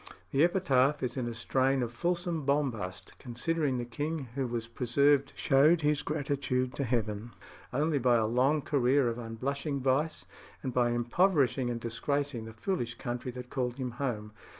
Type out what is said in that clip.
The epitaph is in a strain of fulsome bombast, considering the king who was preserved showed his gratitude to Heaven only by a long career of unblushing vice, and by impoverishing and disgracing the foolish country that called him home.